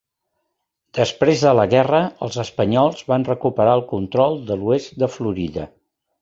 Després de la guerra, els espanyols van recuperar el control de l'oest de Florida.